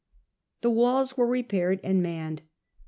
The walls were repaired and manned.